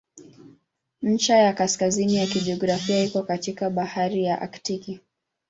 Ncha ya kaskazini ya kijiografia iko katikati ya Bahari ya Aktiki.